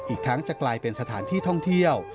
อีกทั้งจะกลายเป็นสถานที่ท่องเที่ยว